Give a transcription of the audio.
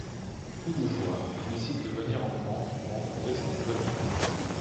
Fou de joie, il décide de venir en France pour rencontrer sa nouvelle famille.